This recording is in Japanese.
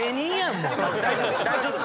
大丈夫？